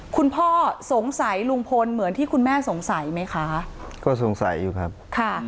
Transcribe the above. คุณพ่อสงสัยลุงพลเหมือนที่คุณแม่สงสัยไหมคะก็สงสัยอยู่ครับค่ะ